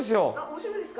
面白いですか？